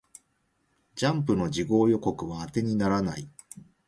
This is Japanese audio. ジャンプの次号予告は当てにならない